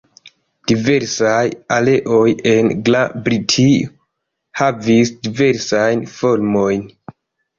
Diversaj areoj en Grand-Britio havis diversajn formojn.